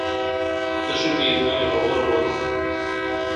D acu-t Yennayer ɣur-wen?